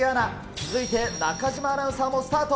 続いて中島アナウンサーもスタート。